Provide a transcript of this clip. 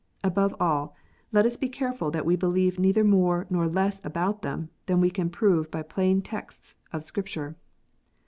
Above all, let us be careful that we believe neither more nor less about them than we can prove by plain texts of Scripture.